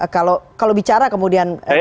kalau kalau bicara kemudian